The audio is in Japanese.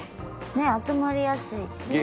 集まりやすいですね